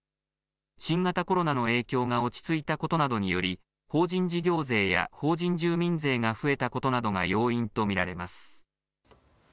新型コロナの影響が落ち着いたことなどにより法人事業税や法人住民税が増えたことなどが要因と見られます。